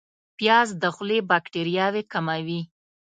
پیاز د خولې باکتریاوې کموي